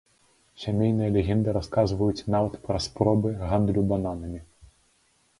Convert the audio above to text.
Сямейныя легенды расказваюць нават пра спробы гандлю бананамі.